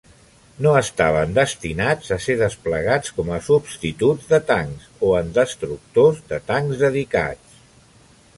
No estaven destinats a ser desplegats com a substituts de tancs o en destructors de tancs dedicats.